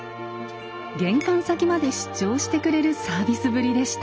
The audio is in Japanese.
玄関先まで出張してくれるサービスぶりでした。